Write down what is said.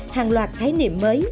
hàng loạt khái niệm mới